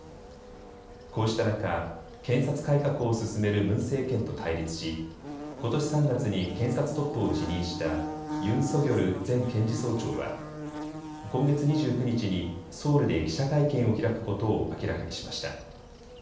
こうした中、検察改革を進めるムン政権と対立しことし３月に検察トップを辞任したユン・ソギョル前検事総長は今月２９日にソウルで記者会見を開くことを明らかにしました。